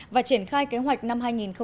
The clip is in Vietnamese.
và triển khai kế hoạch năm hai nghìn một mươi bảy